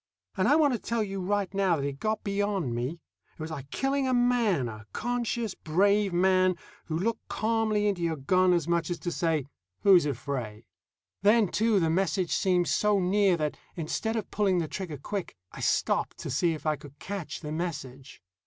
And I want to tell you right now that it got beyond me. It was like killing a man, a conscious, brave man who looked calmly into your gun as much as to say, "Who's afraid?" Then, too, the message seemed so near that, instead of pulling the trigger quick, I stopped to see if I could catch the message.